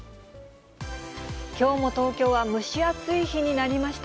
きょうも東京は蒸し暑い日になりました。